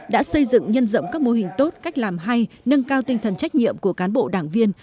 đã xây dựng nhân rộng các mô hình tốt cách làm hay nâng cao tinh thần trách nhiệm của cán bộ đảng viên